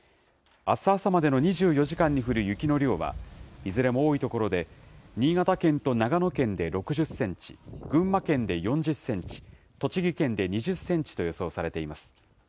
あす朝までの２４時間に降る雪の量は、いずれも多い所で、新潟県と長野県で６０センチ、群馬県で４０センチ、栃木県で２０センチと予想されています。